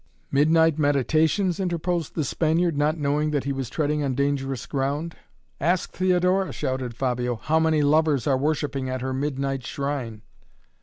"Midnight meditations?" interposed the Spaniard, not knowing that he was treading on dangerous ground. "Ask Theodora," shouted Fabio, "how many lovers are worshipping at her midnight shrine!"